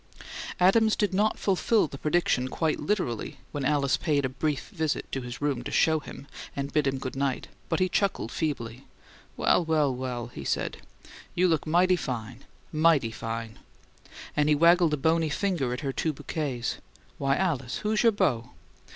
Adams did not fulfil the prediction quite literally when Alice paid a brief visit to his room to "show" him and bid him good night; but he chuckled feebly. "Well, well, well!" he said. "You look mighty fine MIGHTY fine!" And he waggled a bony finger at her two bouquets. "Why, Alice, who's your beau?"